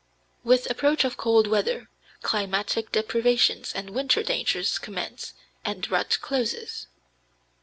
With approach of cold weather, climatic deprivations and winter dangers commence and rut closes.